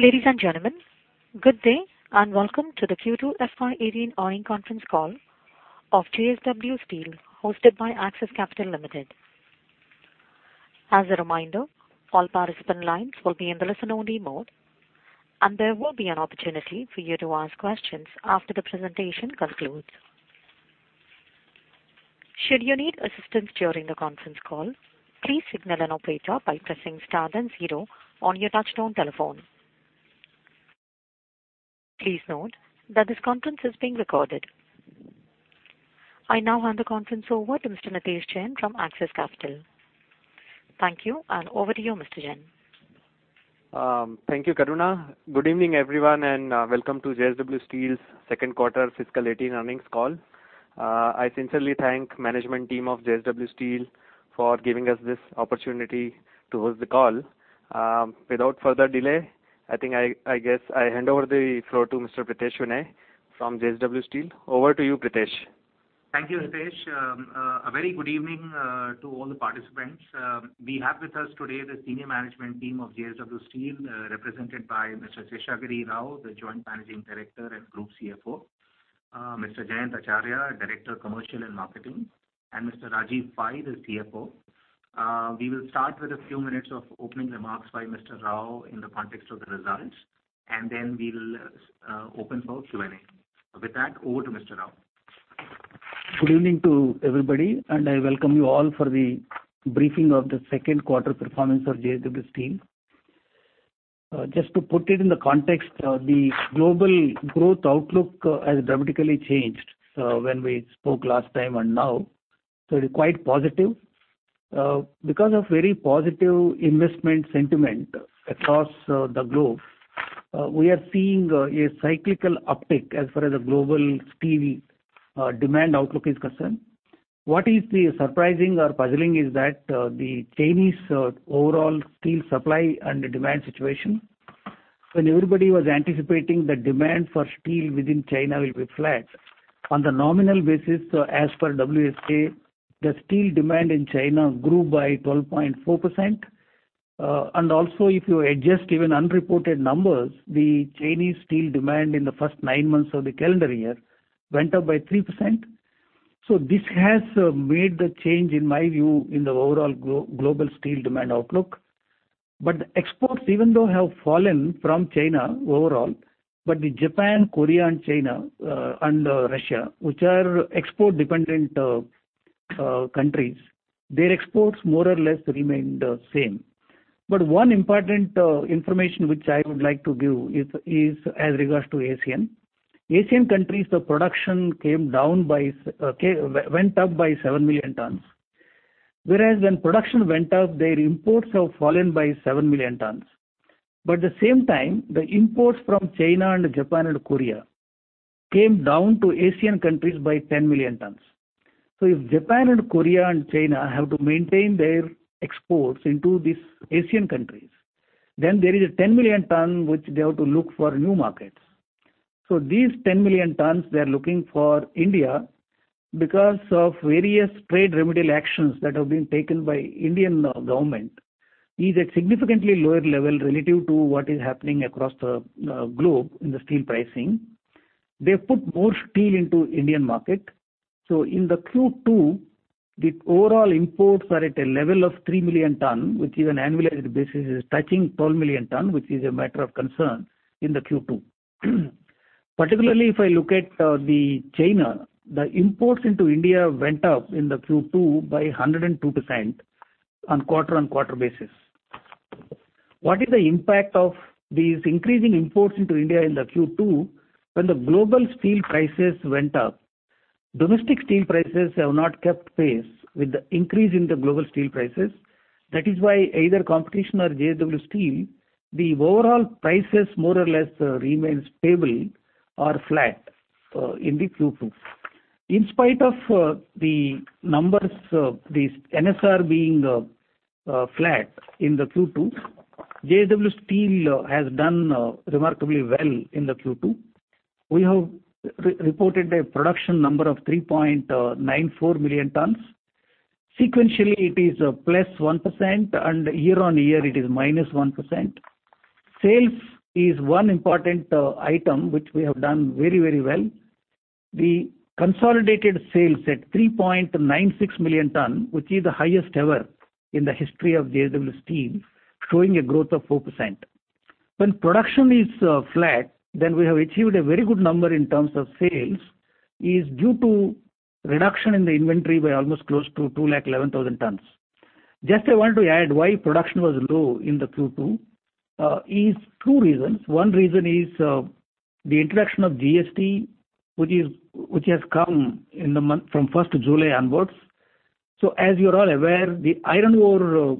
Ladies and gentlemen, good day and welcome to the Q2 FY2018 earnings conference call of JSW Steel, hosted by Axis Capital Limited. As a reminder, all participant lines will be in the listen-only mode, and there will be an opportunity for you to ask questions after the presentation concludes. Should you need assistance during the conference call, please signal an operator by pressing star then zero on your touch-tone telephone. Please note that this conference is being recorded. I now hand the conference over to Mr. Nitesh Jain from Axis Capital. Thank you, and over to you, Mr. Jain. Thank you, Karuna. Good evening, everyone, and welcome to JSW Steel's second quarter fiscal 2018 earnings call. I sincerely thank the management team of JSW Steel for giving us this opportunity to host the call. Without further delay, I think I guess I hand over the floor to Mr. Pritesh Vinay from JSW Steel. Over to you, Pritesh. Thank you, Nitesh. A very good evening to all the participants. We have with us today the senior management team of JSW Steel, represented by Mr. Seshagiri Rao, the Joint Managing Director and Group CFO, Mr. Jayant Acharya, Director of Commercial and Marketing, and Mr. Rajeev Pai, the CFO. We will start with a few minutes of opening remarks by Mr. Rao in the context of the results, and then we will open for Q&A. With that, over to Mr. Rao. Good evening to everybody, and I welcome you all for the briefing of the second quarter performance of JSW Steel. Just to put it in the context, the global growth outlook has dramatically changed when we spoke last time and now. It is quite positive. Because of very positive investment sentiment across the globe, we are seeing a cyclical uptick as far as the global steel demand outlook is concerned. What is surprising or puzzling is that the Chinese overall steel supply and demand situation, when everybody was anticipating that demand for steel within China will be flat, on the nominal basis, as per World Steel Association, the steel demand in China grew by 12.4%. Also, if you adjust even unreported numbers, the Chinese steel demand in the first nine months of the calendar year went up by 3%. This has made the change, in my view, in the overall global steel demand outlook. Exports, even though they have fallen from China overall, but Japan, Korea, China, and Russia, which are export-dependent countries, their exports more or less remained the same. One important information which I would like to give is as regards to ASEAN. ASEAN countries, the production went up by 7 million tons. Whereas when production went up, their imports have fallen by 7 million tons. At the same time, the imports from China, Japan, and Korea came down to ASEAN countries by 10 million tons. If Japan, Korea, and China have to maintain their exports into these ASEAN countries, then there is a 10 million ton which they have to look for new markets. These 10 million tons they are looking for India, because of various trade remedial actions that have been taken by the Indian government, is at a significantly lower level relative to what is happening across the globe in the steel pricing. They have put more steel into the Indian market. In the Q2, the overall imports are at a level of 3 million ton, which is an annualized basis, touching 12 million ton, which is a matter of concern in the Q2. Particularly, if I look at China, the imports into India went up in the Q2 by 102% on quarter-on-quarter basis. What is the impact of these increasing imports into India in the Q2 when the global steel prices went up? Domestic steel prices have not kept pace with the increase in the global steel prices. That is why either competition or JSW Steel, the overall prices more or less remain stable or flat in the Q2. In spite of the numbers, the NSR being flat in the Q2, JSW Steel has done remarkably well in the Q2. We have reported a production number of 3.94 million tons. Sequentially, it is plus 1%, and year on year it is minus 1%. Sales is one important item which we have done very, very well. The consolidated sales at 3.96 million tons, which is the highest ever in the history of JSW Steel, showing a growth of 4%. When production is flat, then we have achieved a very good number in terms of sales, is due to reduction in the inventory by almost close to 211,000 tons. Just I want to add why production was low in the Q2. There are two reasons. One reason is the introduction of GST, which has come from the first of July onwards. As you are all aware, the iron ore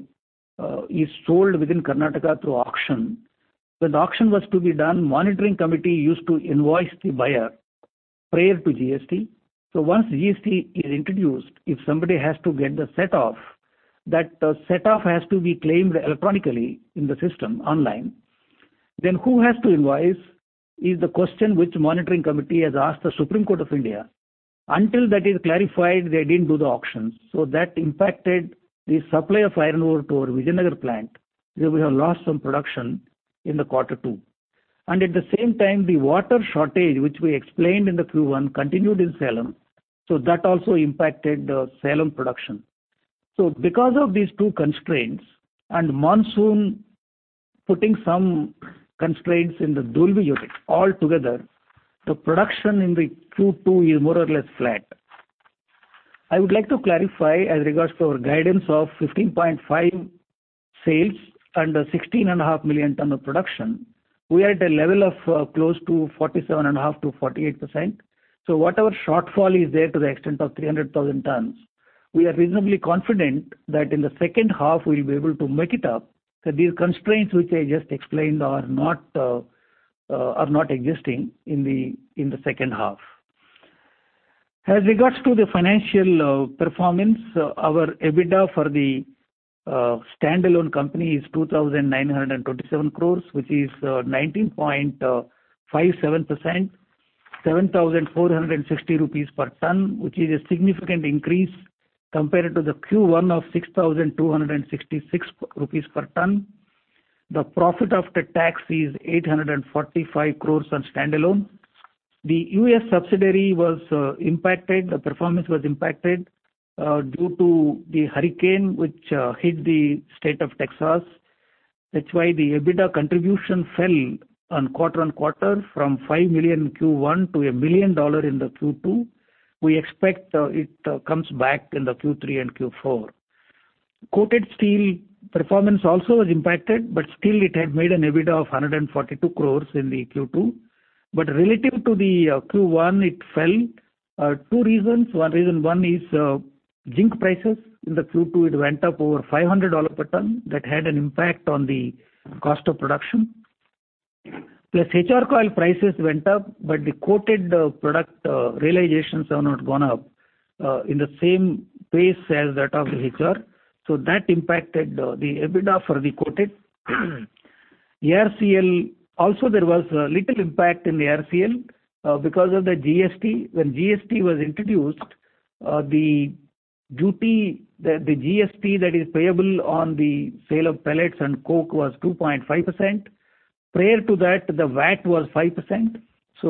is sold within Karnataka through auction. When the auction was to be done, the monitoring committee used to invoice the buyer prior to GST. Once GST is introduced, if somebody has to get the set-off, that set-off has to be claimed electronically in the system online. Who has to invoice is the question which the monitoring committee has asked the Supreme Court of India. Until that is clarified, they did not do the auctions. That impacted the supply of iron ore to our Vijayanagar plant, where we have lost some production in quarter two. At the same time, the water shortage, which we explained in Q1, continued in Salem. That also impacted Salem production. Because of these two constraints and monsoon putting some constraints in the Dolvi unit, all together, the production in Q2 is more or less flat. I would like to clarify as regards to our guidance of 15.5 million tons sales and 16.5 million tons of production. We are at a level of close to 47.5%-48%. Whatever shortfall is there to the extent of 300,000 tons, we are reasonably confident that in the second half, we will be able to make it up. These constraints which I just explained are not existing in the second half. As regards to the financial performance, our EBITDA for the standalone company is 2,927 crore, which is 19.57%, 7,460 rupees per ton, which is a significant increase compared to Q1 of 6,266 rupees per ton. The profit after tax is 845 crore on standalone. The US subsidiary was impacted. The performance was impacted due to the hurricane which hit the state of Texas. That's why the EBITDA contribution fell quarter on quarter from $5 million Q1 to $1 million in the Q2. We expect it comes back in the Q3 and Q4. Coated steel performance also was impacted, but still it had made an EBITDA of 142 crore in the Q2. Relative to the Q1, it fell. Two reasons. One reason is zinc prices. In the Q2, it went up over $500 per ton. That had an impact on the cost of production. Plus, HR coil prices went up, but the coated product realizations have not gone up in the same pace as that of the HR. That impacted the EBITDA for the coated. Also, there was a little impact in the RCL because of the GST. When GST was introduced, the GST that is payable on the sale of pellets and coke was 2.5%. Prior to that, the VAT was 5%.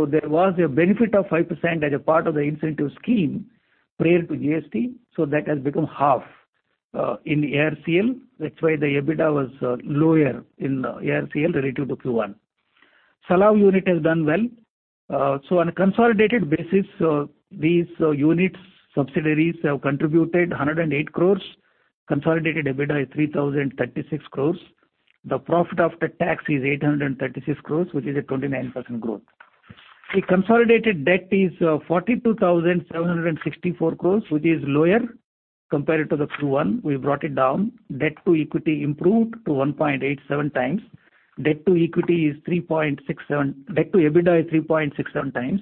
There was a benefit of 5% as a part of the incentive scheme prior to GST. That has become half in the RCL. That is why the EBITDA was lower in the RCL relative to Q1. Salem unit has done well. On a consolidated basis, these units, subsidiaries have contributed 1,080,000,000. Consolidated EBITDA is 30,360,000,000. The profit after tax is 8,360,000,000, which is a 29% growth. The consolidated debt is 42,764,000,000, which is lower compared to Q1. We brought it down. Debt to equity improved to 1.87 times. Debt to EBITDA is 3.67 times.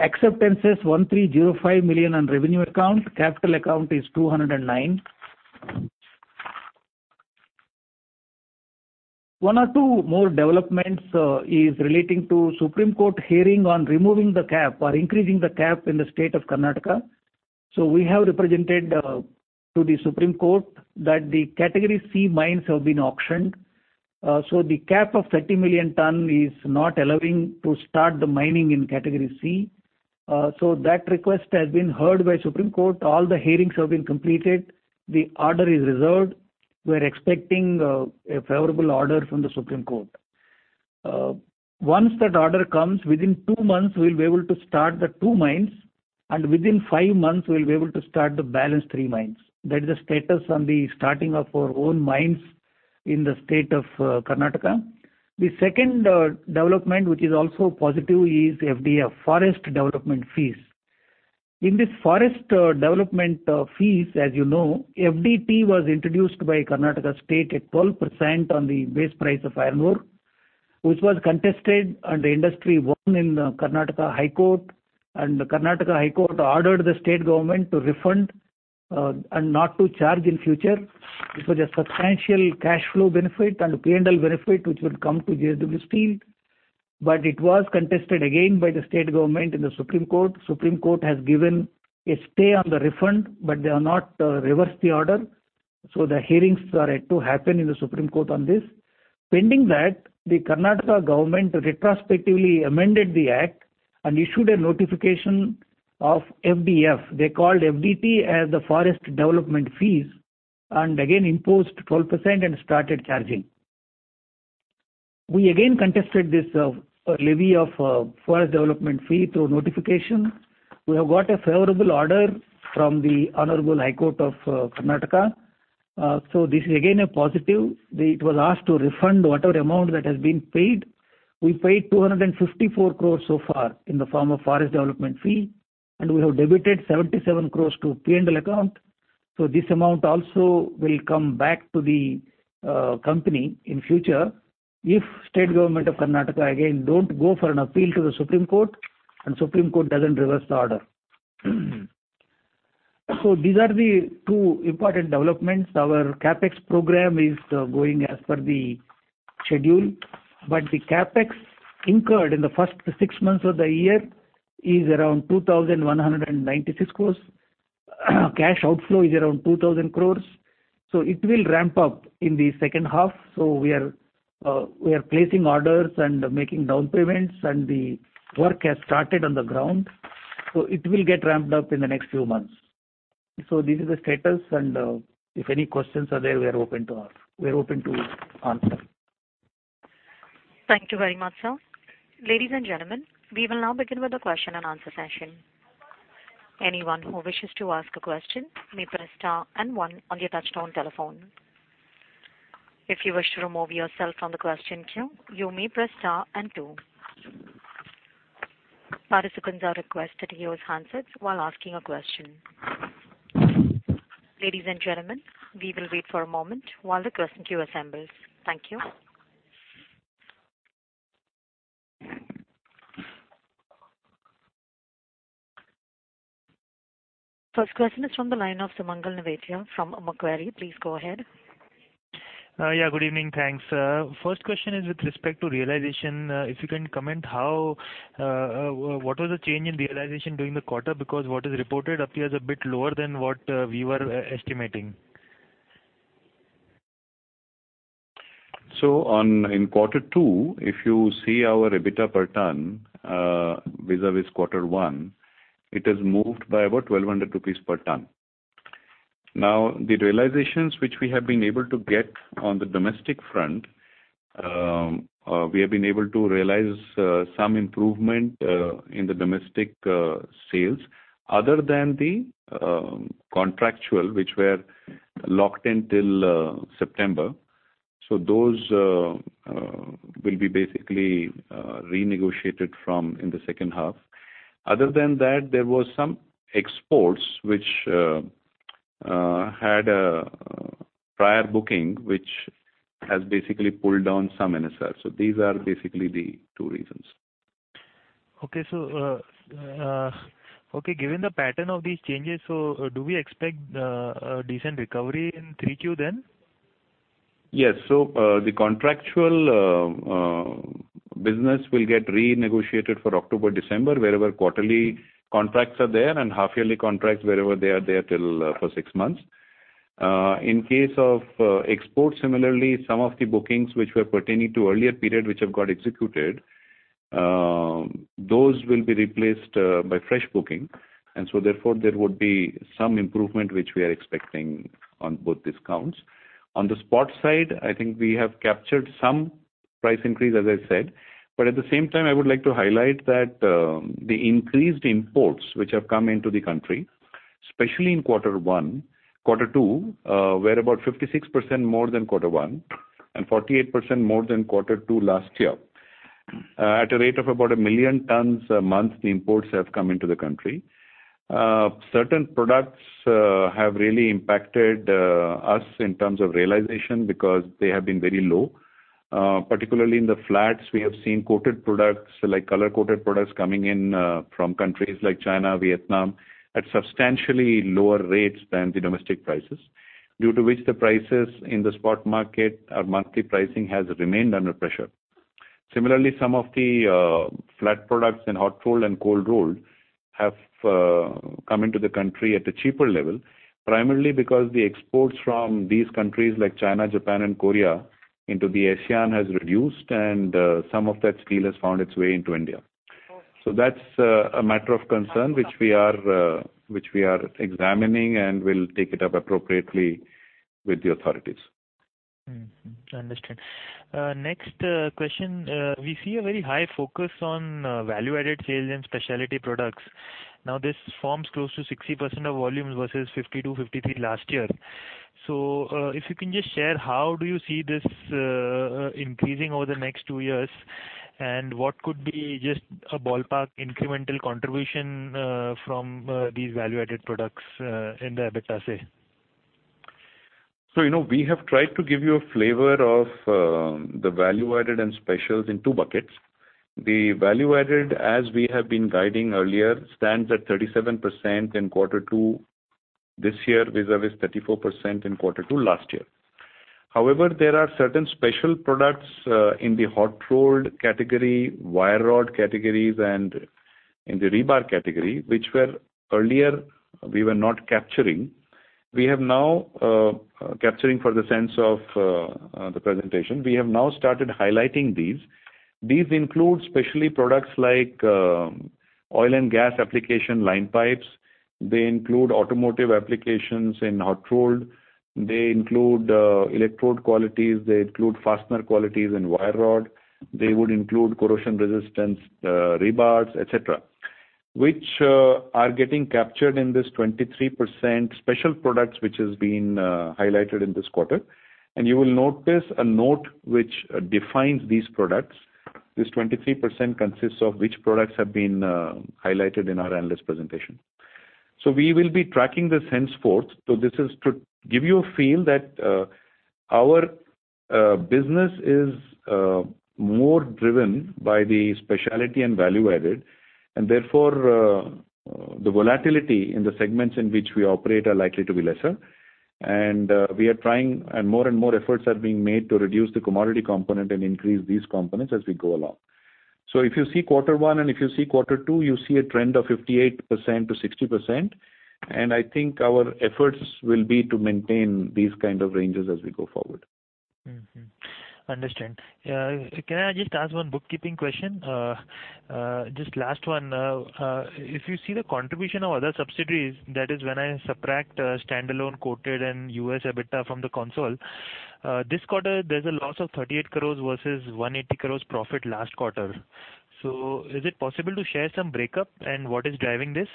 Acceptance is 1,305,000,000 on revenue account. Capital account is 209,000,000. One or two more developments is relating to Supreme Court hearing on removing the cap or increasing the cap in the state of Karnataka. We have represented to the Supreme Court that the category C mines have been auctioned. The cap of 30 million ton is not allowing to start the mining in category C. That request has been heard by Supreme Court. All the hearings have been completed. The order is reserved. We are expecting a favorable order from the Supreme Court. Once that order comes, within two months, we will be able to start the two mines. Within five months, we will be able to start the balance three mines. That is the status on the starting of our own mines in the state of Karnataka. The second development, which is also positive, is FDF, forest development fees. In this forest development fees, as you know, FDT was introduced by Karnataka state at 12% on the base price of iron ore, which was contested under Industry One in the Karnataka High Court. The Karnataka High Court ordered the state government to refund and not to charge in future, which was a substantial cash flow benefit and P&L benefit, which would come to JSW Steel. It was contested again by the state government in the Supreme Court. The Supreme Court has given a stay on the refund, but they have not reversed the order. The hearings are to happen in the Supreme Court on this. Pending that, the Karnataka government retrospectively amended the act and issued a notification of FDF. They called FDT as the forest development fees and again imposed 12% and started charging. We again contested this levy of forest development fee through notification. We have got a favorable order from the Honorable High Court of Karnataka. This is again a positive. It was asked to refund whatever amount that has been paid. We paid 254 crore so far in the form of forest development fee. We have debited 77 crore to P&L account. This amount also will come back to the company in future if state government of Karnataka again do not go for an appeal to the Supreme Court and Supreme Court does not reverse the order. These are the two important developments. Our CAPEX program is going as per the schedule. The CAPEX incurred in the first six months of the year is around 2,196 crore. Cash outflow is around 2,000 crore. It will ramp up in the second half. We are placing orders and making down payments, and the work has started on the ground. It will get ramped up in the next few months. This is the status. If any questions are there, we are open to answer. Thank you very much, sir. Ladies and gentlemen, we will now begin with the question and answer session. Anyone who wishes to ask a question may press star and one on your touchstone telephone. If you wish to remove yourself from the question queue, you may press star and two. Participants are requested to use handsets while asking a question. Ladies and gentlemen, we will wait for a moment while the question queue assembles. Thank you. First question is from the line of Simangal Navethia from Macquarie. Please go ahead. Yeah, good evening. Thanks, sir. First question is with respect to realization. If you can comment how what was the change in realization during the quarter, because what is reported appears a bit lower than what we were estimating. So in quarter two, if you see our EBITDA per ton vis-à-vis quarter one, it has moved by about 1,200 rupees per ton. Now, the realizations which we have been able to get on the domestic front, we have been able to realize some improvement in the domestic sales other than the contractual, which were locked until September. Those will be basically renegotiated in the second half. Other than that, there were some exports which had a prior booking, which has basically pulled down some NSR. These are basically the two reasons. Okay. Okay. Given the pattern of these changes, do we expect a decent recovery in Q3 then? Yes. So the contractual business will get renegotiated for October-December, wherever quarterly contracts are there and half-yearly contracts wherever they are there for six months. In case of exports, similarly, some of the bookings which were pertaining to earlier period which have got executed, those will be replaced by fresh booking. Therefore, there would be some improvement which we are expecting on both discounts. On the spot side, I think we have captured some price increase, as I said. At the same time, I would like to highlight that the increased imports which have come into the country, especially in quarter one, quarter two, were about 56% more than quarter one and 48% more than quarter two last year. At a rate of about 1 million tons a month, the imports have come into the country. Certain products have really impacted us in terms of realization because they have been very low. Particularly in the flats, we have seen coated products like color coated products coming in from countries like China, Vietnam at substantially lower rates than the domestic prices, due to which the prices in the spot market or monthly pricing has remained under pressure. Similarly, some of the flat products and hot rolled and cold rolled have come into the country at a cheaper level, primarily because the exports from these countries like China, Japan, and Korea into the ASEAN has reduced, and some of that steel has found its way into India. That is a matter of concern which we are examining and will take it up appropriately with the authorities. Understood. Next question. We see a very high focus on value-added sales and specialty products. Now, this forms close to 60% of volume versus 52-53% last year. If you can just share, how do you see this increasing over the next two years? What could be just a ballpark incremental contribution from these value-added products in the EBITDA, say? We have tried to give you a flavor of the value-added and specials in two buckets. The value-added, as we have been guiding earlier, stands at 37% in quarter two this year vis-à-vis 34% in quarter two last year. However, there are certain special products in the hot rolled category, wire rod categories, and in the rebar category, which earlier we were not capturing. We are now capturing for the sense of the presentation. We have now started highlighting these. These include special products like oil and gas application line pipes. They include automotive applications in hot rolled. They include electrode qualities. They include fastener qualities and wire rod. They would include corrosion resistance rebars, etc., which are getting captured in this 23% special products which has been highlighted in this quarter. You will note this, a note which defines these products. This 23% consists of which products have been highlighted in our analyst presentation. We will be tracking this henceforth. This is to give you a feel that our business is more driven by the specialty and value-added. Therefore, the volatility in the segments in which we operate are likely to be lesser. We are trying, and more and more efforts are being made to reduce the commodity component and increase these components as we go along. If you see quarter one and if you see quarter two, you see a trend of 58% to 60%. I think our efforts will be to maintain these kind of ranges as we go forward. Understood. Can I just ask one bookkeeping question? Just last one. If you see the contribution of other subsidiaries, that is when I subtract standalone quoted and US EBITDA from the console, this quarter, there is a loss of 380 million versus 1.8 billion profit last quarter. Is it possible to share some breakup and what is driving this?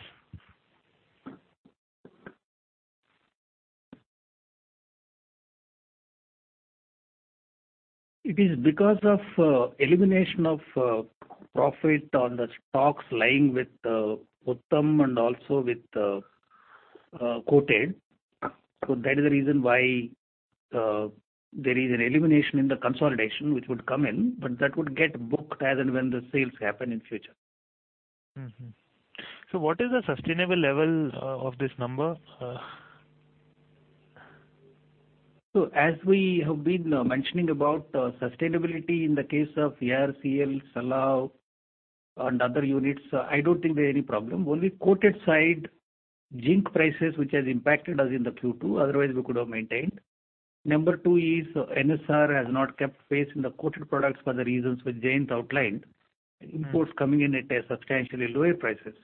It is because of elimination of profit on the stocks lying with Uttam and also with quoted. That is the reason why there is an elimination in the consolidation which would come in, but that would get booked as and when the sales happen in future. What is the sustainable level of this number? As we have been mentioning about sustainability in the case of JSW Steel, Salem, and other units, I do not think there is any problem. Only coated side zinc prices, which has impacted us in the Q2. Otherwise, we could have maintained. Number two is NSR has not kept pace in the coated products for the reasons which Jayant outlined. Imports coming in at substantially lower prices.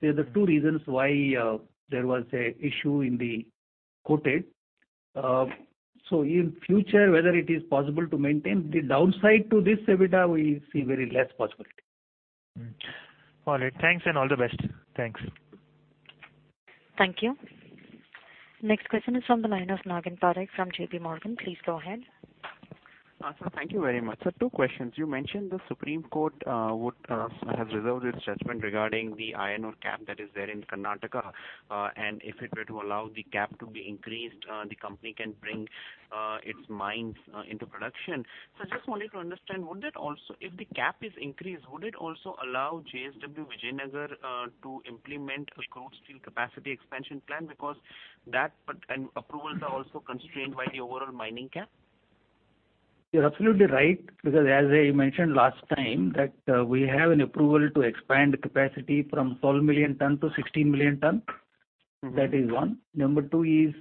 There are the two reasons why there was an issue in the coated. In future, whether it is possible to maintain the downside to this EBITDA, we see very less possibility. All right. Thanks and all the best. Thanks. Thank you. Next question is from the line of Pinakin Parekh from JP Morgan. Please go ahead. Awesome. Thank you very much. Two questions. You mentioned the Supreme Court has reserved its judgment regarding the iron ore cap that is there in Karnataka. If it were to allow the cap to be increased, the company can bring its mines into production. I just wanted to understand, would that also, if the cap is increased, would it also allow JSW Vijayanagar to implement a crude steel capacity expansion plan because that and approvals are also constrained by the overall mining cap? You're absolutely right because, as I mentioned last time, we have an approval to expand capacity from 12 million ton to 16 million ton. That is one. Number two is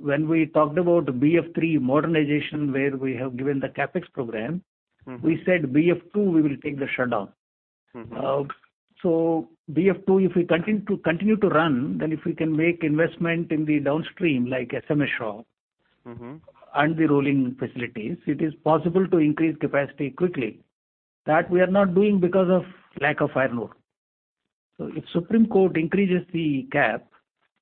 when we talked about BF3 modernization where we have given the CAPEX program, we said BF2 we will take the shutdown. BF2, if we continue to run, then if we can make investment in the downstream like SMS Shore and the rolling facilities, it is possible to increase capacity quickly. That we are not doing because of lack of iron ore. If Supreme Court increases the cap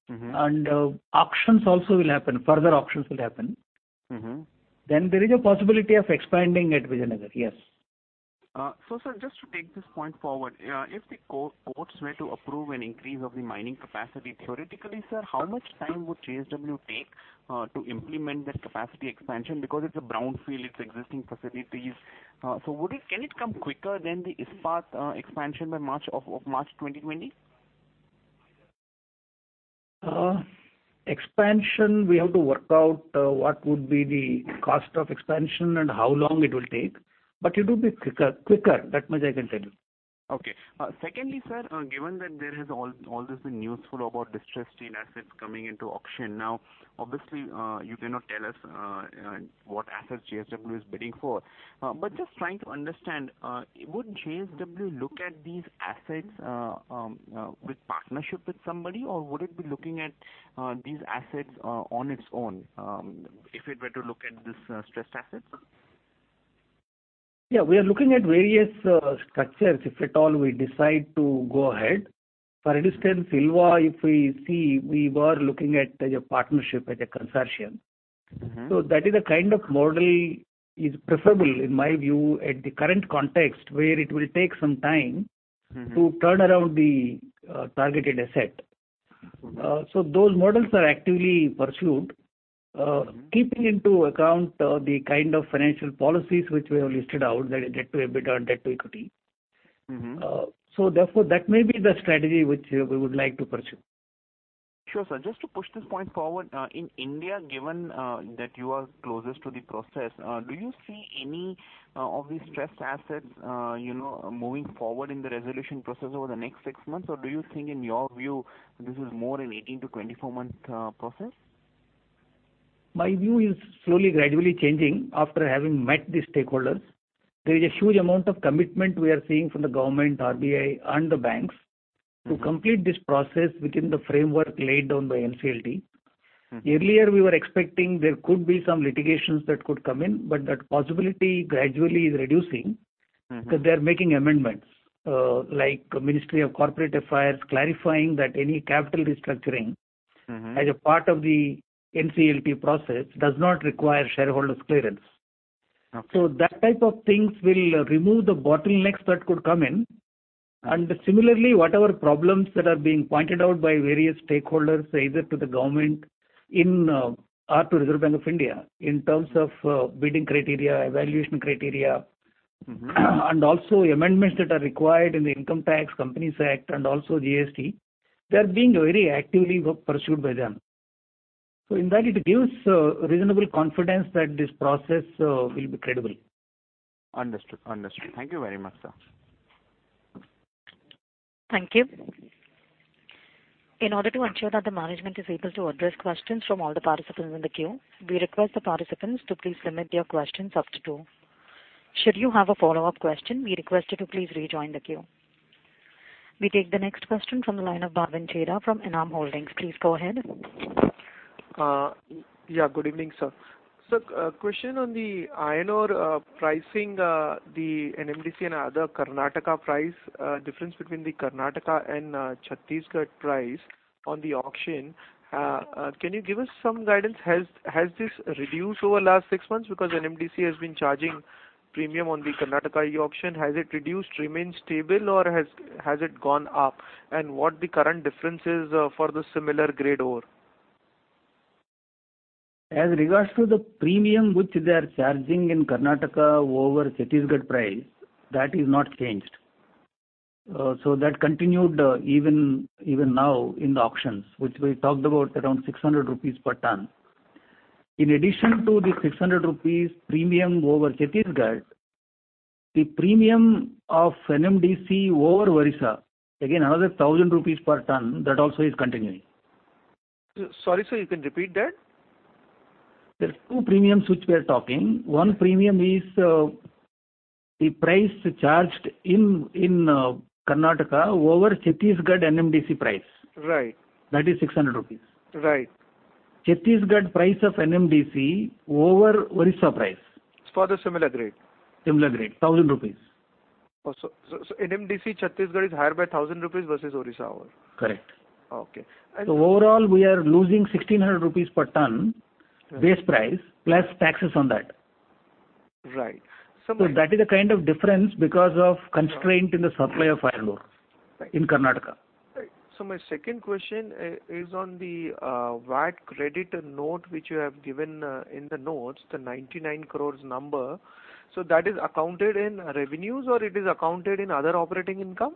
and auctions also will happen, further auctions will happen, then there is a possibility of expanding at Vijayanagar, yes. Sir, just to take this point forward, if the courts were to approve an increase of the mining capacity, theoretically, sir, how much time would JSW take to implement that capacity expansion? Because it's a brownfield, it's existing facilities. Can it come quicker than the ISPAT expansion by March 2020? Expansion, we have to work out what would be the cost of expansion and how long it will take. It would be quicker. That much I can tell you. Okay. Secondly, sir, given that there has all this been newsful about distressed steel assets coming into auction now, obviously, you cannot tell us what assets JSW is bidding for. Just trying to understand, would JSW look at these assets with partnership with somebody, or would it be looking at these assets on its own if it were to look at these stressed assets? Yeah, we are looking at various structures. If at all we decide to go ahead, for instance, Ilva, if we see we were looking at a partnership, at a consortium. That is a kind of model is preferable, in my view, at the current context where it will take some time to turn around the targeted asset. Those models are actively pursued, keeping into account the kind of financial policies which we have listed out, that is debt to EBITDA and debt to equity. Therefore, that may be the strategy which we would like to pursue. Sure, sir. Just to push this point forward, in India, given that you are closest to the process, do you see any of these stressed assets moving forward in the resolution process over the next six months, or do you think, in your view, this is more an 18- to 24-month process? My view is slowly gradually changing after having met these stakeholders. There is a huge amount of commitment we are seeing from the government, RBI, and the banks to complete this process within the framework laid down by NCLT. Earlier, we were expecting there could be some litigations that could come in, but that possibility gradually is reducing because they are making amendments like Ministry of Corporate Affairs clarifying that any capital restructuring as a part of the NCLT process does not require shareholders' clearance. That type of things will remove the bottlenecks that could come in. Similarly, whatever problems that are being pointed out by various stakeholders, either to the government or to Reserve Bank of India in terms of bidding criteria, evaluation criteria, and also amendments that are required in the Income Tax Companies Act and also GST, they are being very actively pursued by them. In that, it gives reasonable confidence that this process will be credible. Understood. Understood. Thank you very much, sir. Thank you. In order to ensure that the management is able to address questions from all the participants in the queue, we request the participants to please limit their questions up to two. Should you have a follow-up question, we request you to please rejoin the queue. We take the next question from the line of Bhavin Chheda from ENAM Holdings. Please go ahead. Yeah, good evening, sir. Sir, question on the iron ore pricing, the NMDC and other Karnataka price, difference between the Karnataka and Chhattisgarh price on the auction, can you give us some guidance? Has this reduced over the last six months because NMDC has been charging premium on the Karnataka auction? Has it reduced, remained stable, or has it gone up? What the current difference is for the similar grade ore? As regards to the premium which they are charging in Karnataka over Chhattisgarh price, that has not changed. That continued even now in the auctions, which we talked about around 600 rupees per ton. In addition to the 600 rupees premium over Chhattisgarh, the premium of NMDC over Orissa, again, another 1,000 rupees per ton, that also is continuing. Sorry, sir, you can repeat that? There are two premiums which we are talking. One premium is the price charged in Karnataka over Chhattisgarh NMDC price. That is 600 rupees. Chhattisgarh price of NMDC over Orissa price. For the similar grade? Similar grade, 1,000 rupees. So NMDC Chhattisgarh is higher by 1,000 rupees versus Orissa ore? Correct. Okay. Overall, we are losing 1,600 rupees per ton, base price, plus taxes on that. Right. That is a kind of difference because of constraint in the supply of iron ore in Karnataka. My second question is on the VAT credit note which you have given in the notes, the 990 million number. That is accounted in revenues, or it is accounted in other operating income?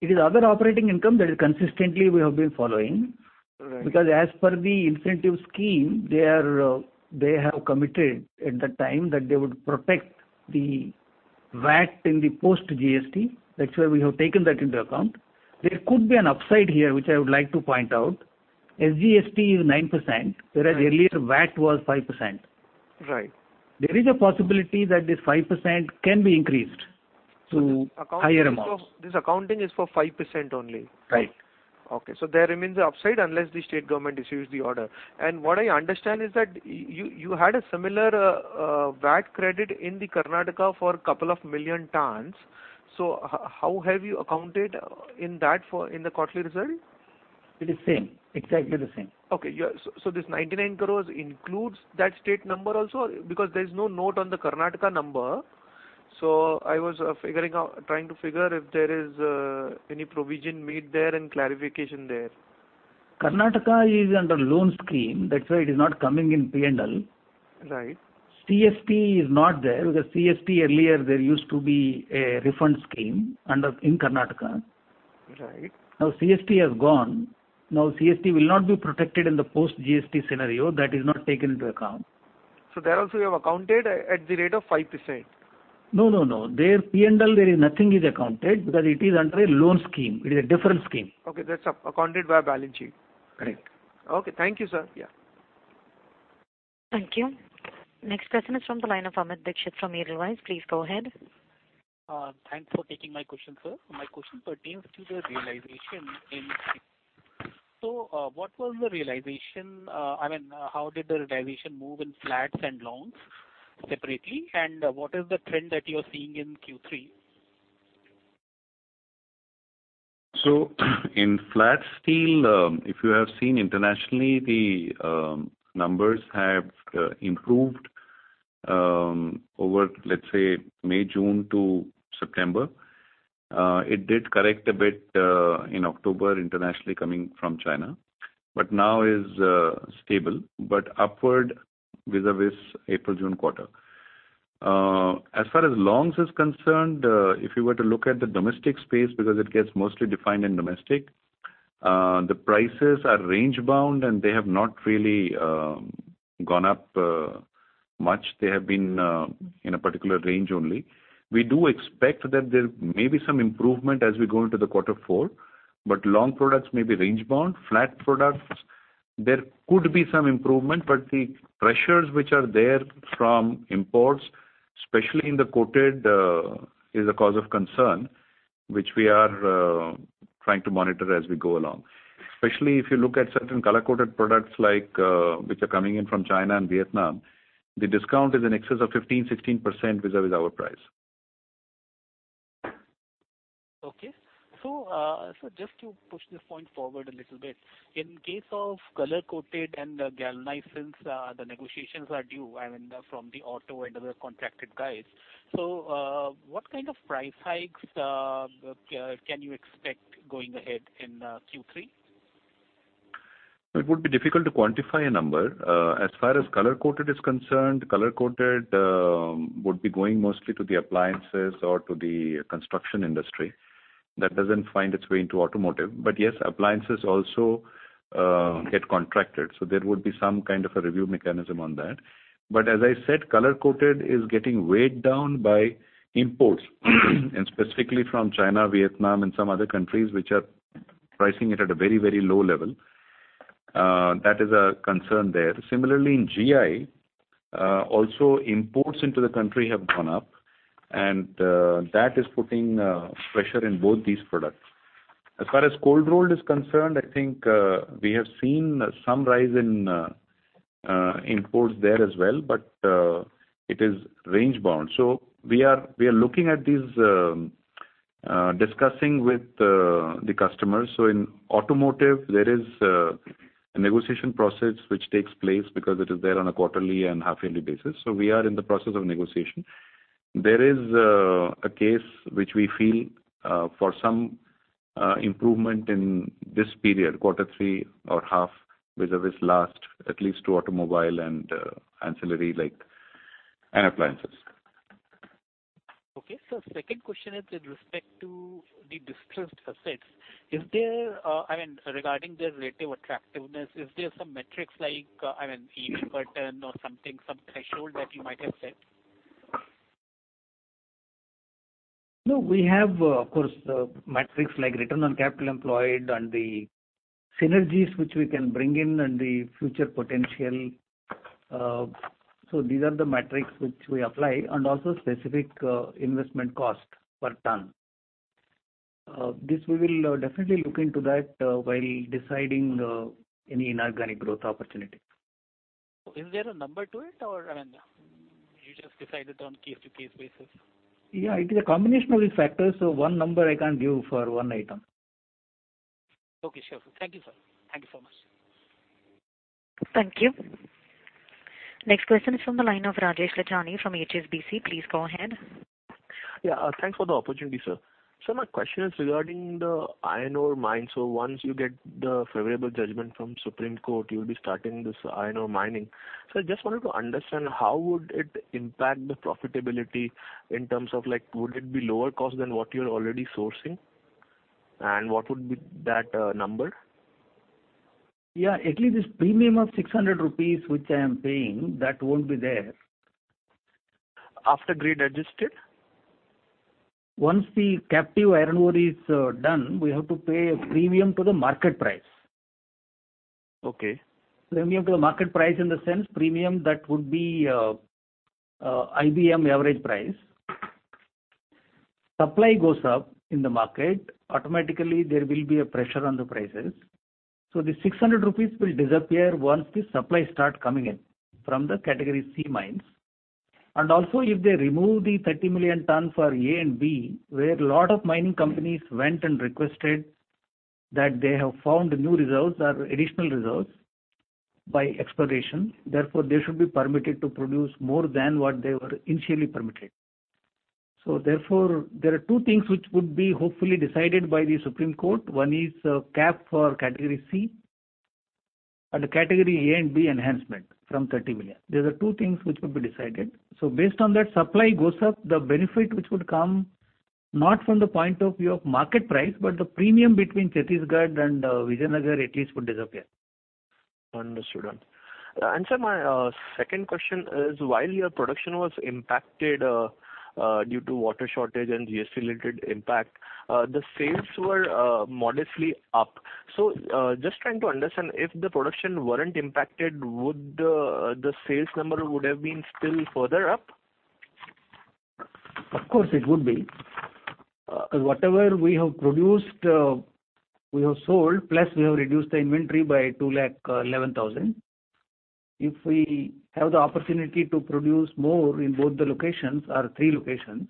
It is other operating income that is consistently we have been following because as per the incentive scheme, they have committed at that time that they would protect the VAT in the post GST. That's where we have taken that into account. There could be an upside here, which I would like to point out. SGST is 9%, whereas earlier VAT was 5%. There is a possibility that this 5% can be increased to higher amounts. This accounting is for 5% only? Right. Okay. There remains an upside unless the state government issues the order. What I understand is that you had a similar VAT credit in Karnataka for a couple of million tons. How have you accounted in that in the quarterly result? It is same. Exactly the same. Okay. So this 99 crore includes that state number also? Because there is no note on the Karnataka number. I was trying to figure if there is any provision made there and clarification there. Karnataka is under loan scheme. That's why it is not coming in P&L. CST is not there because CST earlier, there used to be a refund scheme in Karnataka. Now CST has gone. Now CST will not be protected in the post GST scenario. That is not taken into account. There also you have accounted at the rate of 5%? No, no, no. There P&L, there is nothing is accounted because it is under a loan scheme. It is a different scheme. Okay. That is accounted by a balance sheet. Correct. Okay. Thank you, sir. Yeah. Thank you. Next question is from the line of Amit Dixit from Edelweiss. Please go ahead. Thanks for taking my question, sir. My question pertains to the realization in. What was the realization? I mean, how did the realization move in flats and longs separately? What is the trend that you are seeing in Q3? So in flat steel, if you have seen internationally, the numbers have improved over, let's say, May, June to September. It did correct a bit in October internationally coming from China, but now is stable, but upward within this April, June quarter. As far as longs is concerned, if you were to look at the domestic space because it gets mostly defined in domestic, the prices are range-bound, and they have not really gone up much. They have been in a particular range only. We do expect that there may be some improvement as we go into the quarter four, but long products may be range-bound. Flat products, there could be some improvement, but the pressures which are there from imports, especially in the coated, is a cause of concern, which we are trying to monitor as we go along. Especially if you look at certain color coated products which are coming in from China and Vietnam, the discount is in excess of 15%-16% vis-à-vis our price. Okay. So, sir, just to push this point forward a little bit, in case of color coated and galvanized, since the negotiations are due, I mean, from the auto and other contracted guys, what kind of price hikes can you expect going ahead in Q3? It would be difficult to quantify a number. As far as color coated is concerned, color coated would be going mostly to the appliances or to the construction industry that does not find its way into automotive. Yes, appliances also get contracted. There would be some kind of a review mechanism on that. As I said, color coated is getting weighed down by imports, and specifically from China, Vietnam, and some other countries which are pricing it at a very, very low level. That is a concern there. Similarly, in GI, also imports into the country have gone up, and that is putting pressure in both these products. As far as cold rolled is concerned, I think we have seen some rise in imports there as well, but it is range-bound. We are looking at these, discussing with the customers. In automotive, there is a negotiation process which takes place because it is there on a quarterly and half-yearly basis. We are in the process of negotiation. There is a case which we feel for some improvement in this period, quarter three or half, with this last at least to automobile and ancillary like appliances. Okay. Second question is with respect to the distressed assets. I mean, regarding their relative attractiveness, is there some metrics like, I mean, per ton or something, some threshold that you might have set? No, we have, of course, metrics like return on capital employed and the synergies which we can bring in and the future potential. These are the metrics which we apply and also specific investment cost per ton. This we will definitely look into that while deciding any inorganic growth opportunity. Is there a number to it, or I mean, you just decide it on case-to-case basis? Yeah, it is a combination of these factors. One number I can't give for one item. Okay. Sure. Thank you, so much sir. Thank you so much. Thank you. Next question is from the line of Rajesh Lachhani from HSBC. Please go ahead. Yeah. Thanks for the opportunity, sir. My question is regarding the iron ore mines. Once you get the favorable judgment from Supreme Court, you will be starting this iron ore mining. I just wanted to understand how would it impact the profitability in terms of would it be lower cost than what you're already sourcing? What would be that number? At least this premium of 600 rupees which I am paying, that will not be there. After grade adjusted? Once the captive iron ore is done, we have to pay a premium to the market price. Premium to the market price in the sense premium that would be IBM average price. Supply goes up in the market, automatically there will be a pressure on the prices. The 600 rupees will disappear once the supply starts coming in from the category C mines. If they remove the 30 million ton for A and B, where a lot of mining companies went and requested that they have found new results or additional results by exploration, therefore they should be permitted to produce more than what they were initially permitted. Therefore, there are two things which would be hopefully decided by the Supreme Court. One is cap for category C and category A and B enhancement from 30 million. There are two things which will be decided. Based on that, supply goes up, the benefit which would come not from the point of view of market price, but the premium between Chhattisgarh and Vijayanagar at least would disappear. Understood. Sir, my second question is while your production was impacted due to water shortage and GST-related impact, the sales were modestly up. Just trying to understand if the production were not impacted, would the sales number have been still further up? Of course, it would be. Whatever we have produced, we have sold, plus we have reduced the inventory by 2,11,000. If we have the opportunity to produce more in both the locations or three locations,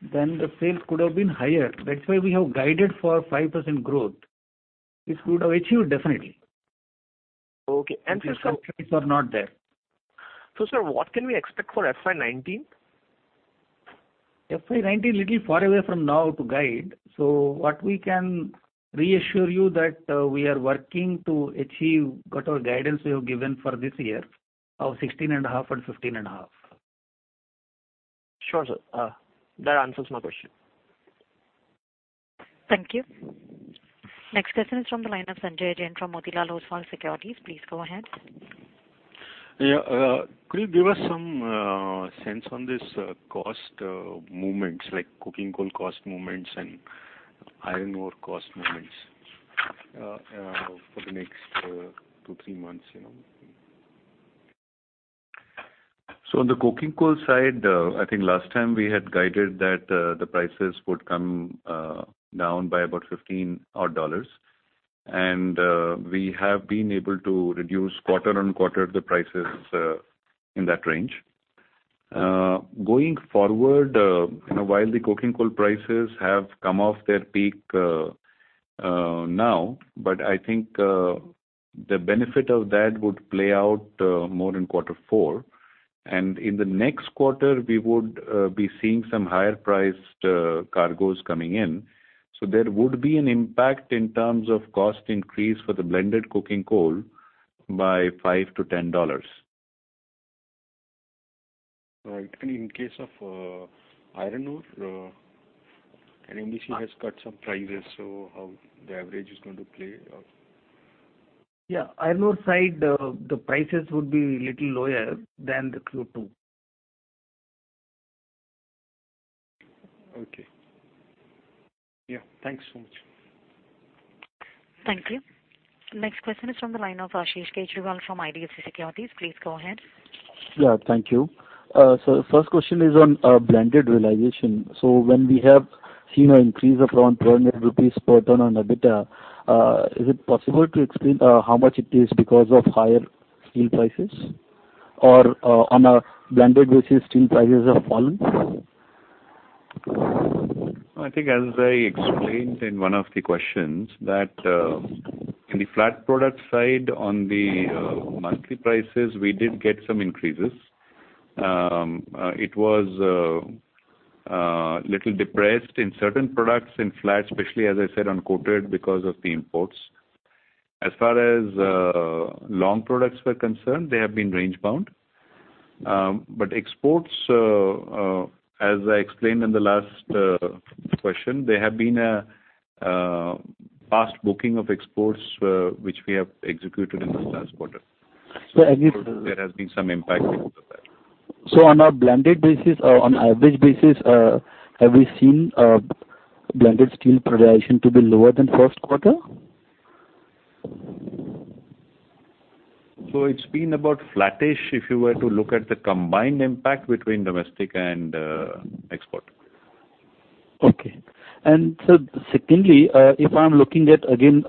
then the sales could have been higher. That is why we have guided for 5% growth. It would have achieved definitely. Okay. Sir, the sub-trades are not there. So Sir, what can we expect for FY2019? FY2019 is a little far away from now to guide. What we can reassure you is that we are working to achieve what our guidance we have given for this year of 16 and a half and 15 and a half. Sure, sir. That answers my question. Thank you. Next question is from the line of Sanjay Jain from Motilal Oswal Securities. Please go ahead. Yeah. Could you give us some sense on these cost movements, like cooking coal cost movements and iron ore cost movements for the next two, three months? On the cooking coal side, I think last time we had guided that the prices would come down by about $15. We have been able to reduce quarter on quarter the prices in that range. Going forward, while the cooking coal prices have come off their peak now, I think the benefit of that would play out more in quarter four. In the next quarter, we would be seeing some higher-priced cargoes coming in. There would be an impact in terms of cost increase for the blended cooking coal by $5 to $10. Right. In case of iron ore, NMDC has cut some prices. How is the average going to play out? Yeah. Iron ore side, the prices would be a little lower than Q2. Okay. Yeah. Thanks so much. Thank you. Next question is from the line of Ashish Kejriwal from IDFC Securities. Please go ahead. Yeah. Thank you. The first question is on blended realization. When we have seen an increase of around 200 rupees per ton on EBITDA, is it possible to explain how much it is because of higher steel prices? Or on a blended basis, have steel prices fallen? I think as I explained in one of the questions, in the flat product side on the monthly prices, we did get some increases. It was a little depressed in certain products in flat, especially, as I said, on coated because of the imports. As far as long products were concerned, they have been range-bound. Exports, as I explained in the last question, there have been a fast booking of exports which we have executed in this last quarter. There has been some impact because of that. So on a blended basis, on average basis, have we seen blended steel price to be lower than first quarter? So it's been about flattish if you were to look at the combined impact between domestic and export. Okay. Sir, secondly, if I am looking at, again,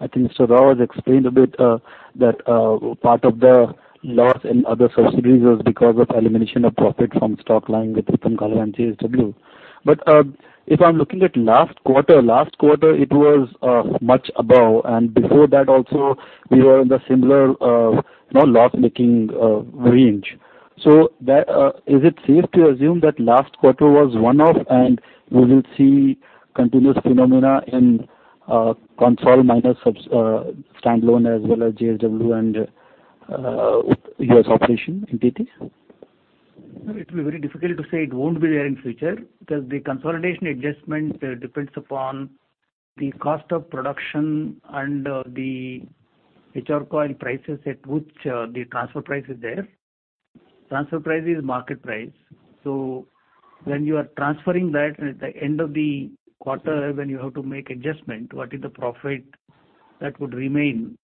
I think Mr. Rao has explained a bit that part of the loss and other subsidies was because of elimination of profit from stock line with Uttam Galva and JSW. If I am looking at last quarter, last quarter, it was much above. Before that, also, we were in the similar loss-making range. Is it safe to assume that last quarter was one-off and we will see continuous phenomena in console minus standalone as well as JSW and US operation in entities? It will be very difficult to say it won't be there in future because the consolidation adjustment depends upon the cost of production and the HR coil prices at which the transfer price is there. Transfer price is market price. When you are transferring that at the end of the quarter when you have to make adjustment, what is the profit that would remain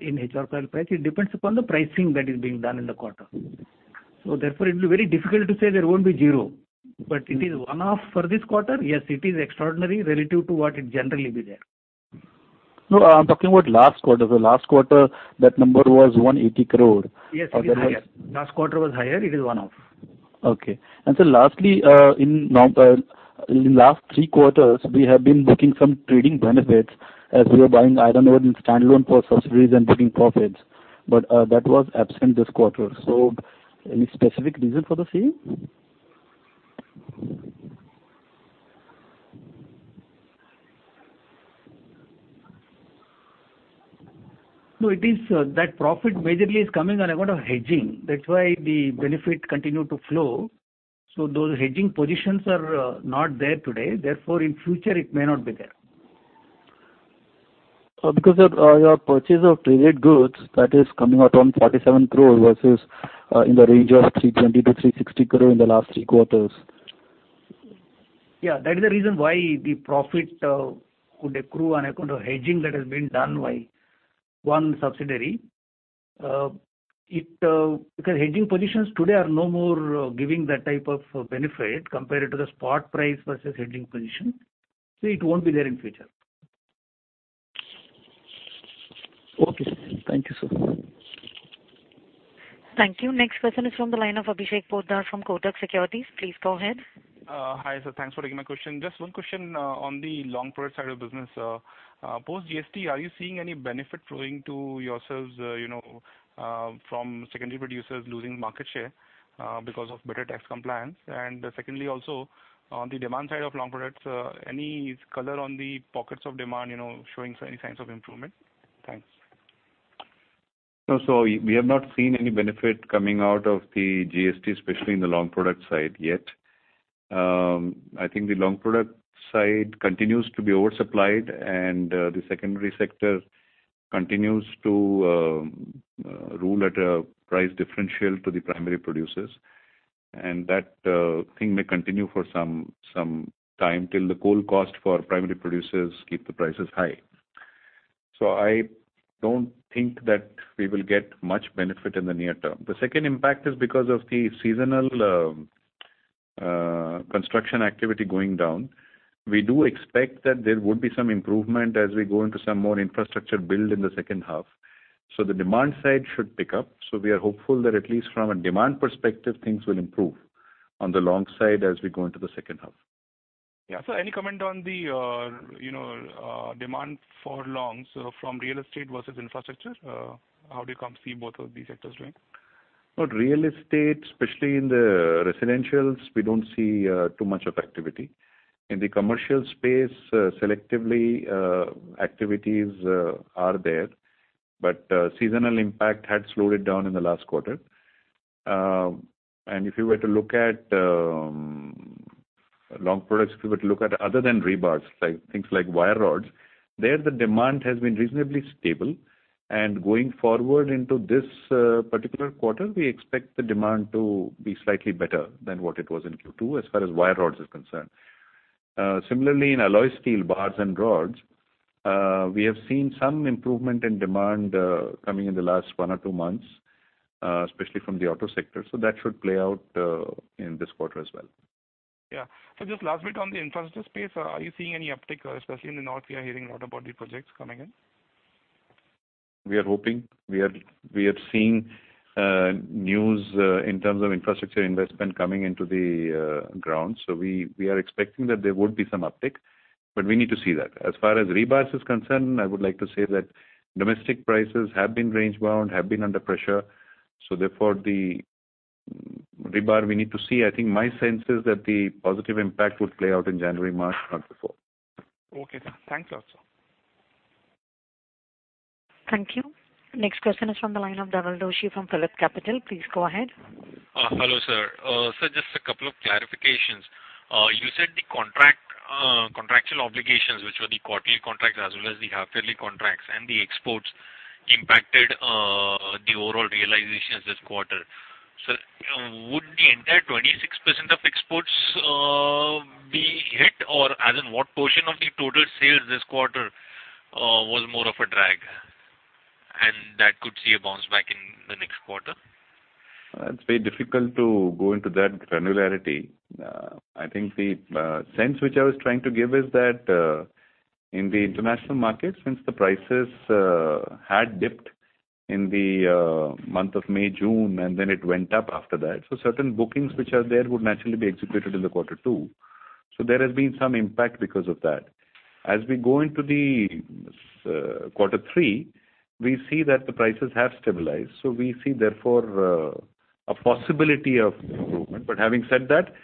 in HR coil price? It depends upon the pricing that is being done in the quarter. Therefore, it will be very difficult to say there won't be zero. But it is one-off for this quarter? Yes, it is extraordinary relative to what it generally be there. No, I'm talking about last quarter. Last quarter, that number was 180 crore. Yes, it was higher. Last quarter was higher. It is one-off. Okay. Sir, lastly, in the last three quarters, we have been booking some trading benefits as we were buying iron ore and standalone for subsidiaries and booking profits. That was absent this quarter. Any specific reason for the same? No, it is that profit majorly is coming on account of hedging. That is why the benefit continued to flow. Those hedging positions are not there today. Therefore, in future, it may not be there. Your purchase of traded goods is coming out at 47 crore versus in the range of 320-360 crore in the last three quarters. Yeah. That is the reason why the profit would accrue on account of hedging that has been done by one subsidiary. Because hedging positions today are no more giving that type of benefit compared to the spot price versus hedging position. So it will not be there in future. Thank you, sir. Thank you. Next question is from the line of Abhishek Poddar from Kotak Securities. Please go ahead. Hi sir, thanks for taking my question. Just one question on the long product side of business. Post GST, are you seeing any benefit flowing to yourselves from secondary producers losing market share because of better tax compliance? Secondly, also on the demand side of long products, any color on the pockets of demand showing any signs of improvement? Thanks. No, we have not seen any benefit coming out of the GST, especially in the long product side yet. I think the long product side continues to be oversupplied, and the secondary sector continues to rule at a price differential to the primary producers. That thing may continue for some time till the coal cost for primary producers keep the prices high. I do not think that we will get much benefit in the near term. The second impact is because of the seasonal construction activity going down. We do expect that there would be some improvement as we go into some more infrastructure build in the second half. The demand side should pick up. We are hopeful that at least from a demand perspective, things will improve on the long side as we go into the second half. Yeah. Any comment on the demand for longs from real estate versus infrastructure? How do you see both of these sectors doing? For real estate, especially in the residentials, we do not see too much of activity. In the commercial space, selectively, activities are there. Seasonal impact had slowed it down in the last quarter. If you were to look at long products, if you were to look at other than rebars, things like wire rods, there the demand has been reasonably stable. Going forward into this particular quarter, we expect the demand to be slightly better than what it was in Q2 as far as wire rods is concerned. Similarly, in alloy steel bars and rods, we have seen some improvement in demand coming in the last one or two months, especially from the auto sector. That should play out in this quarter as well. Yeah. Sir, Just last bit on the infrastructure space. Are you seeing any uptick, especially in the north? We are hearing a lot about the projects coming in. We are hoping. We are seeing news in terms of infrastructure investment coming into the ground. We are expecting that there would be some uptick. We need to see that. As far as rebars is concerned, I would like to say that domestic prices have been range-bound, have been under pressure. Therefore, the rebar, we need to see. I think my sense is that the positive impact would play out in January,-March, month before. Okay. Thank you, sir. Thank you. Next question is from the line of Dhawal Doshi from PhillipCapital. Please go ahead. Hello, sir. Sir, just a couple of clarifications. You said the contractual obligations, which were the quarterly contracts as well as the half-yearly contracts and the exports, impacted the overall realizations this quarter. Would the entire 26% of exports be hit, or as in what portion of the total sales this quarter was more of a drag, and that could see a bounce back in the next quarter? It's very difficult to go into that granularity. I think the sense which I was trying to give is that in the international markets, since the prices had dipped in the month of May, June, and then it went up after that, certain bookings which are there would naturally be executed in the quarter two. There has been some impact because of that. As we go into the quarter three, we see that the prices have stabilized. We see, therefore, a possibility of improvement. Having said that,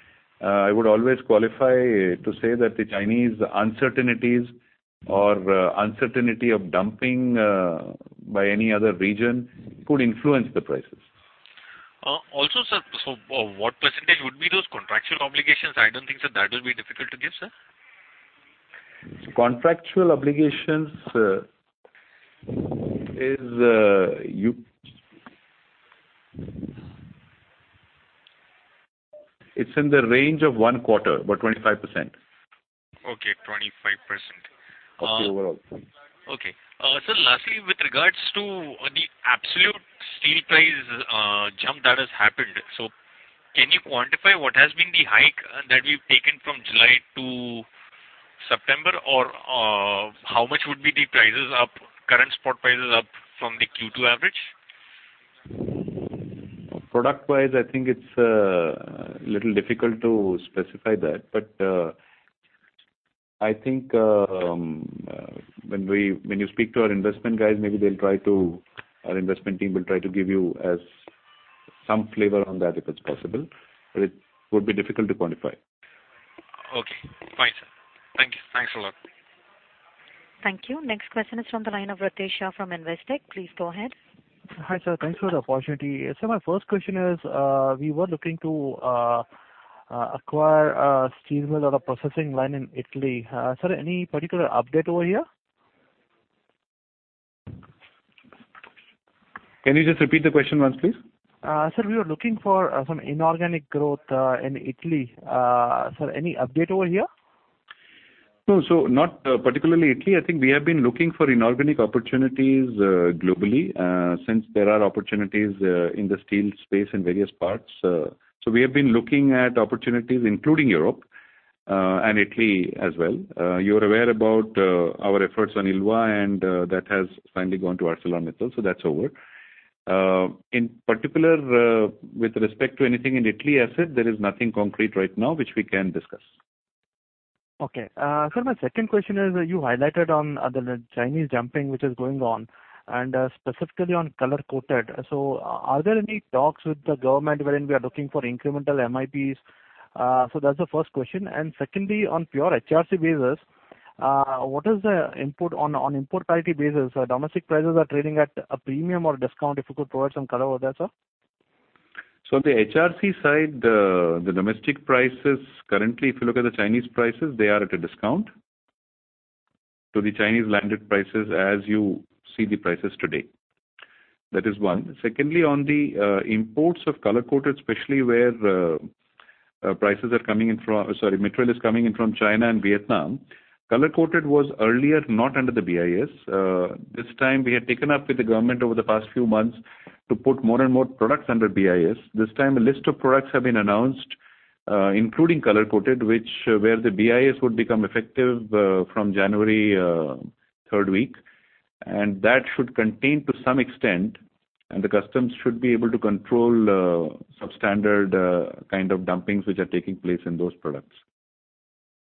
I would always qualify to say that the Chinese uncertainties or uncertainty of dumping by any other region could influence the prices. Also, sir, what percentage would be those contractual obligations? I do not think that that will be difficult to give, sir. Contractual obligations is in the range of one quarter, about 25%. Okay. 25% of the overall. Okay. Sir, lastly, with regards to the absolute steel price jump that has happened, can you quantify what has been the hike that we have taken from July to September, or how much would be the prices up, current spot prices up from the Q2 average? Product-wise, I think it is a little difficult to specify that. I think when you speak to our investment guys, maybe they will try to, our investment team will try to give you some flavor on that if it is possible. It would be difficult to quantify. Okay. Fine. Thank you. Thanks a lot. Thank you. Next question is from the line of Ratesha from Investec. Please go ahead. Hi sir. Thanks for the opportunity. Sir, my first question is we were looking to acquire a steel mill or a processing line in Italy. Sir, any particular update over here? Can you just repeat the question once, please? Sir, we were looking for some inorganic growth in Italy. Sir, any update over here? No, not particularly Italy. I think we have been looking for inorganic opportunities globally since there are opportunities in the steel space in various parts. We have been looking at opportunities, including Europe and Italy as well. You are aware about our efforts on Ilva, and that has finally gone to ArcelorMittal. That is over. In particular, with respect to anything in Italy asset, there is nothing concrete right now which we can discuss. Okay. Sir, my second question is you highlighted on the Chinese dumping which is going on, and specifically on color coated. Are there any talks with the government when we are looking for incremental MIPs? That is the first question. Secondly, on pure HRC basis, what is the input on import priority basis? Domestic prices are trading at a premium or discount if you could provide some color over there, sir? So on the HRC side, the domestic prices currently, if you look at the Chinese prices, they are at a discount to the Chinese landed prices as you see the prices today. That is one. Secondly, on the imports of color coated, especially where prices are coming in from, sorry, material is coming in from China and Vietnam, color coated was earlier not under the BIS. This time, we had taken up with the government over the past few months to put more and more products under BIS. This time, a list of products have been announced, including color coated, which where the BIS would become effective from January third week. That should contain to some extent, and the customs should be able to control substandard kind of dumpings which are taking place in those products.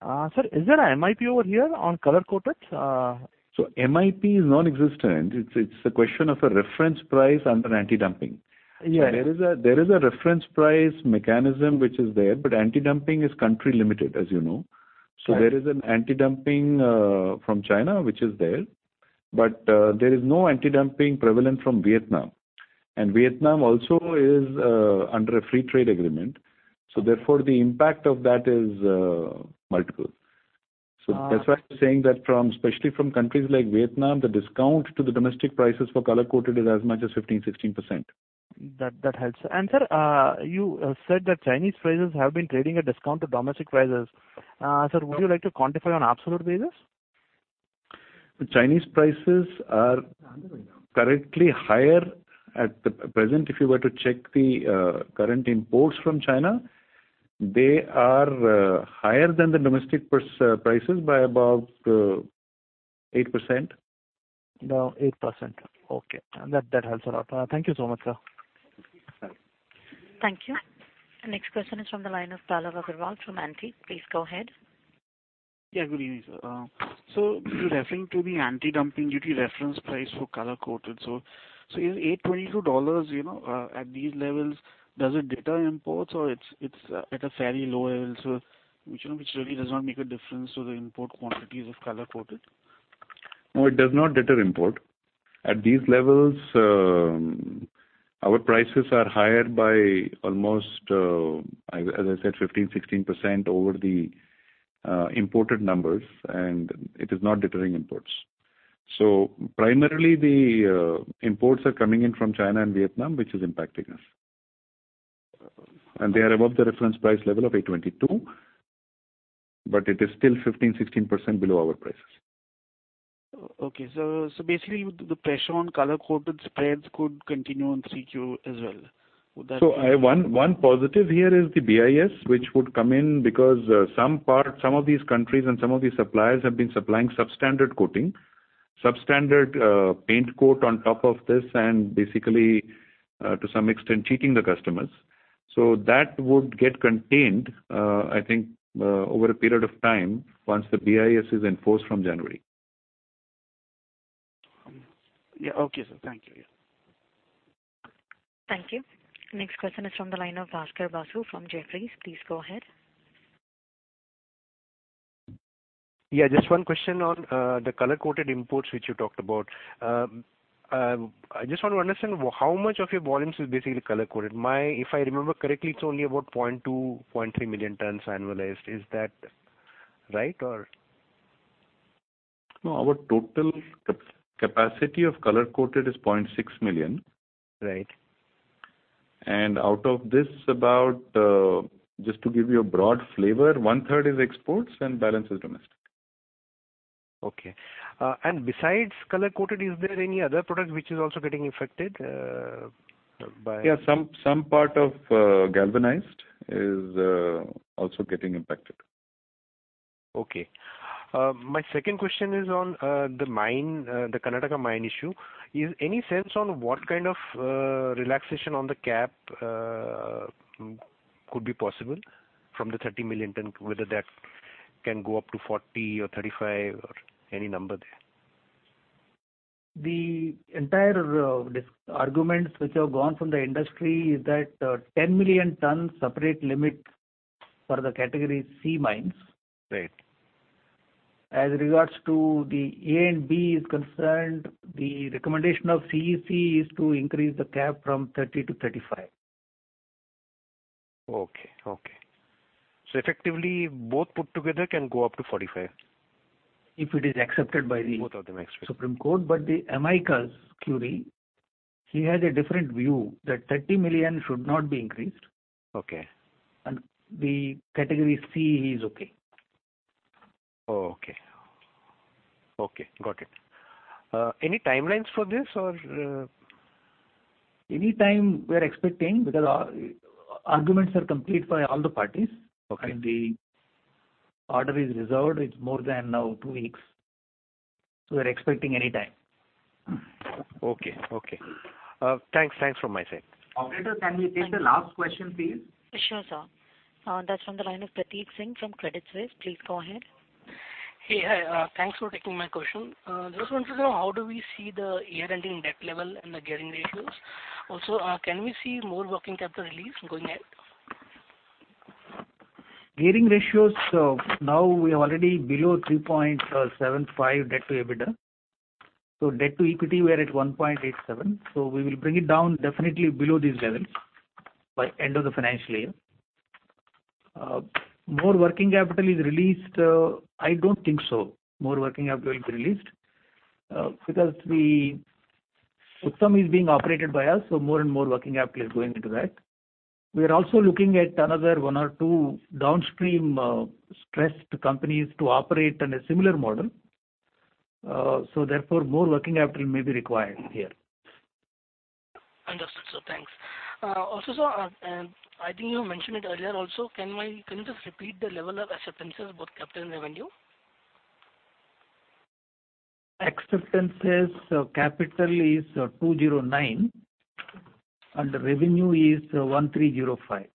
Sir, is there an MIP over here on color coated? So MIP is non-existent. It is a question of a reference price under anti-dumping. There is a reference price mechanism which is there, but anti-dumping is country limited, as you know. There is an anti-dumping from China which is there. There is no anti-dumping prevalent from Vietnam. Vietnam also is under a free trade agreement. Therefore, the impact of that is multiple. That's why I'm saying that especially from countries like Vietnam, the discount to the domestic prices for color coated is as much as 15-16%. That helps. Sir, you said that Chinese prices have been trading at discount to domestic prices. Sir, would you like to quantify on absolute basis? The Chinese prices are currently higher at the present. If you were to check the current imports from China, they are higher than the domestic prices by about 8%. Now, 8%. Okay. That helps a lot. Thank you so much, sir. Thank you. Next question is from the line of Pallav Agarwal from Antique. Please go ahead. Yeah. Good evening, sir. You're referring to the anti-dumping duty reference price for color coated. Is $822 at these levels, does it deter imports, or is it at a fairly low level, which really does not make a difference to the import quantities of color coated? No, it does not deter import. At these levels, our prices are higher by almost, as I said, 15%-16% over the imported numbers, and it is not deterring imports. Primarily, the imports are coming in from China and Vietnam, which is impacting us. They are above the reference price level of $822, but it is still 15%-16% below our prices. Okay. Basically, the pressure on color coated spreads could continue in Q2 as well. Would that? So one positive here is the BIS, which would come in because some of these countries and some of these suppliers have been supplying substandard coating, substandard paint coat on top of this, and basically, to some extent, cheating the customers. That would get contained, I think, over a period of time once the BIS is enforced from January. Yeah. Okay, sir. Thank you. Yeah. Thank you. Next question is from the line of Bhaskar Basu from Jefferies. Please go ahead. Yeah. Just one question on the color coated imports which you talked about. I just want to understand how much of your volumes is basically color coated. If I remember correctly, it's only about 0.2, 0.3 million tons annualized. Is that right, or? No, our total capacity of color coated is 0.6 million. Out of this, just to give you a broad flavor, one-third is exports and the balance is domestic. Okay. And besides color coated, is there any other product which is also getting affected by? Yeah, some part of galvanized is also getting impacted. Okay. My second question is on the Karnataka mine issue. Is there any sense on what kind of relaxation on the cap could be possible from the 30 million ton, whether that can go up to 40 or 35 or any number there? The entire arguments which have gone from the industry is that 10 million tons separate limit for the category C mines. As regards to the A and B is concerned, the recommendation of CEC is to increase the cap from 30 to 35. Okay. Okay. So effectively, both put together can go up to 45. If it is accepted by the Supreme Court. The MIKAS Quri, he has a different view that 30 million should not be increased. The category C, he is okay. Okay. Okay. Got it. Any timelines for this, or? Anytime we are expecting because arguments are complete by all the parties, and the order is reserved. It is more than now two weeks. We are expecting anytime. Okay. Okay. Thanks. Thanks from my side. Operator, can we take the last question, please? Sure, sir. That is from the line of Prateek Singh from Credit Suisse. Please go ahead. Hey, hi. Thanks for taking my question. Just wanted to know how do we see the year-ending debt level and the gearing ratios? Also, can we see more working capital release going ahead? Gearing ratios, so now we are already below 3.75 debt to EBITDA. Debt to equity, we are at 1.87. We will bring it down definitely below these levels by end of the financial year. More working capital is released. I do not think so. More working capital will be released because the Uttam is being operated by us, so more and more working capital is going into that. We are also looking at another one or two downstream stressed companies to operate on a similar model. Therefore, more working capital may be required here. Understood, sir. Thanks. Also, sir, I think you mentioned it earlier also. Can you just repeat the level of acceptances, both capital and revenue? Acceptances, so capital is 209, and the revenue is 1,305.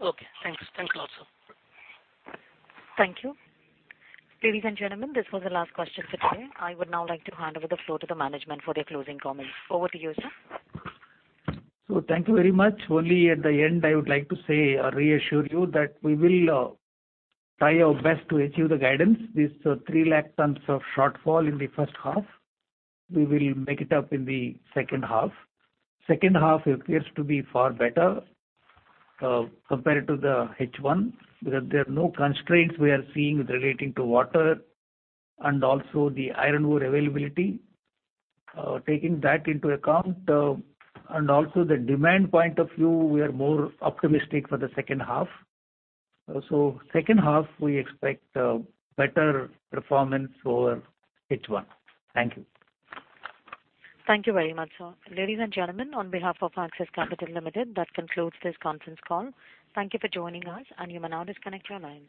Okay. Thanks. Thanks a lot, sir. Thank you. Ladies and gentlemen, this was the last question for today. I would now like to hand over the floor to the management for their closing comments. Over to you, sir. Thank you very much. Only at the end, I would like to say or reassure you that we will try our best to achieve the guidance. This 300,000 tons of shortfall in the first half, we will make it up in the second half. Second half appears to be far better compared to the H1 because there are no constraints we are seeing relating to water and also the iron ore availability. Taking that into account and also the demand point of view, we are more optimistic for the second half. Second half, we expect better performance for H1. Thank you. Thank you very much, sir. Ladies and gentlemen, on behalf of Axis Capital Limited, that concludes this conference call. Thank you for joining us, and you may now disconnect your line.